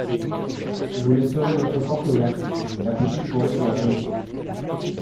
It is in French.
Vous laisserez votre porte ouverte… la petite pourrait se réveiller…